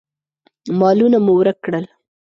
مالونه مو ورک کړل.